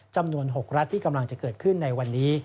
จำนวน๖รัฐที่กำลังจะเกิดขึ้นในวันนี้